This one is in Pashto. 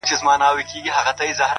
دوه زړونه د يوې ستنې له تاره راوتلي!!